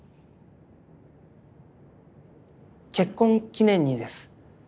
結婚記念にです。